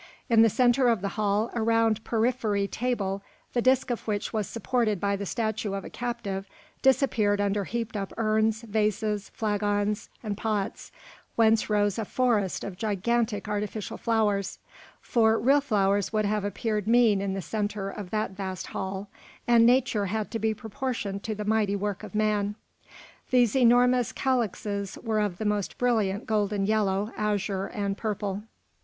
In the centre of the hall a round porphyry table, the disc of which was supported by the statue of a captive, disappeared under heaped up urns, vases, flagons, and pots, whence rose a forest of gigantic artificial flowers; for real flowers would have appeared mean in the centre of that vast hall, and nature had to be proportioned to the mighty work of man. These enormous calyxes were of the most brilliant golden yellow, azure, and purple.